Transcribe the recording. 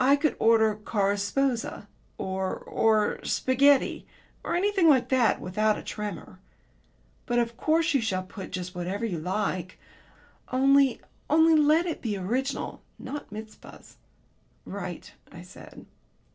I could order 'Cars sposa,' or or 'Spaghetti,' or anything like that, without a tremor." "But of course you shall put just whatever you like. Only only let it be original. Not Mizpahs." "Right," I said.